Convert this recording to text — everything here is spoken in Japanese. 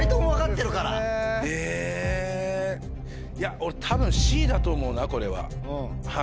俺多分Ｃだと思うなこれは。